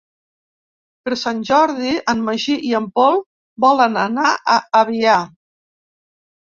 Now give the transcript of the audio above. Per Sant Jordi en Magí i en Pol volen anar a Avià.